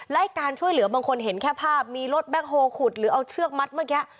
และการช่วยเหลือบางคนเห็นแค่ภาพมีรถแบ็คโฮลขุดหรือเอาเชือกมัดเมื่อกี้